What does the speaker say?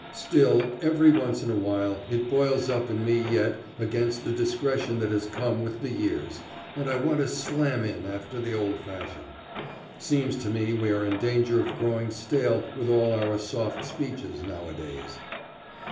Still, every once in a while it boils up in me yet against the discretion that has come with the years, and I want to slam in after the old fashion. Seems to me we are in danger of growing stale with all our soft speeches nowadays.